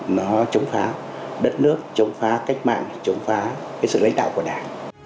nó chống phá đất nước chống phá cách mạng chống phá cái sự lãnh đạo của đảng